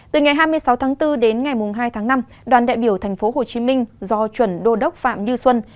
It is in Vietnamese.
từ ngày hai mươi sáu tháng bốn đến ngày hai tháng năm đoàn đại biểu tp hcm do chuẩn đô đốc phạm như xuân